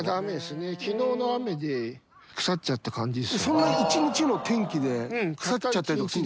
そんな１日の天気で腐っちゃったりするんですか？